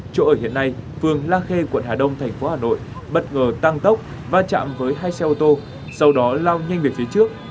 chỗ ở hiện nay phường la khê quận hà đông thành phố hà nội bất ngờ tăng tốc va chạm với hai xe ô tô sau đó lao nhanh về phía trước